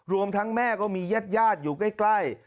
รวมทั้งแม่ก็มีญาติอยู่ใกล้